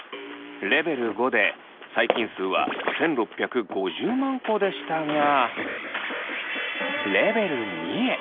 レベル５で細菌数は１，６５０万個でしたがレベル２へ。